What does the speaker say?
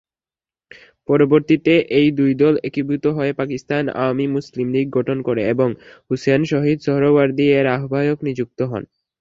পরবর্তীতে এই দুই দল একীভূত হয়ে পাকিস্তান আওয়ামী মুসলিম লীগ গঠন করে এবং হোসেন শহীদ সোহরাওয়ার্দী এর আহবায়ক নিযুক্ত হন।